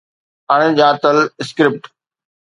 اڻڄاتل اسڪرپٽ